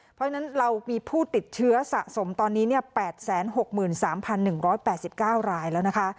เพราะฉะนั้นเรามีผู้ติดเชื้อสะสมตอนนี้เนี่ยแปดแสนหกหมื่นสามพันหนึ่งร้อยแปดสิบเก้ารายแล้วนะคะ